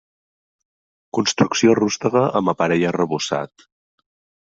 Construcció rústega amb aparell arrebossat.